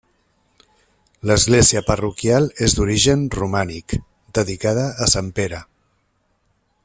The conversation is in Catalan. L'església parroquial és d'origen romànic, dedicada a sant Pere.